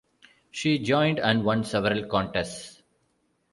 She joined and won several contests.